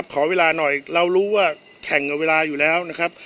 ขอเวลาหน่อยเรารู้ว่าแข่งกับเวลาอยู่แล้วนะครับ